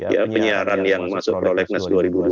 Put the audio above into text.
ya penyiaran yang masuk prolegnas dua ribu dua puluh